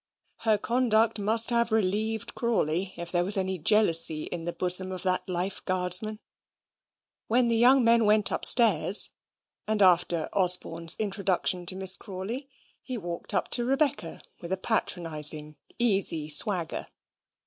Her conduct must have relieved Crawley if there was any jealousy in the bosom of that life guardsman. When the young men went upstairs, and after Osborne's introduction to Miss Crawley, he walked up to Rebecca with a patronising, easy swagger.